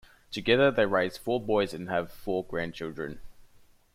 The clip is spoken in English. Together they raised four boys and have four grandchildren.